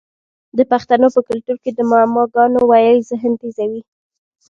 د پښتنو په کلتور کې د معما ګانو ویل ذهن تیزوي.